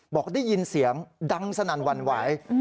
บอกได้ยินเสียงดังสนันวรรณวาย